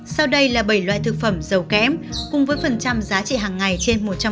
sau đây là bảy loại thực phẩm giàu kém cùng với phần trăm giá trị hàng ngày trên một trăm linh g mỗi loại